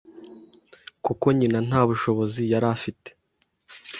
kuko nyina nta bushobozi yari afite.